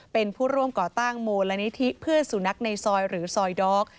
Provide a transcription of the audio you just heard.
เป็นผู้ร่วมก่อตั้งมูลนิธิเพื่อนสุนัขในซอยหรือซอยดอก